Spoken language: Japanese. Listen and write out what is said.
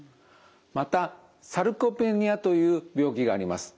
またサルコペニアという病気があります。